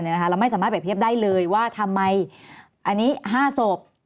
เราไม่สามารถเปรียบเทียบได้เลยว่าทำไมอันนี้๕ศพ